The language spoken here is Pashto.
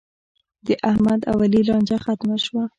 د احمد او علي لانجه ختمه شوه.